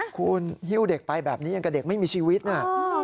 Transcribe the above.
คุณฮิ้วเด็กไปแบบนี้ยังกับเด็กไม่มีชีวิตนะ